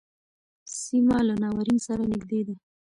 سیمه له ناورین سره نږدې ده.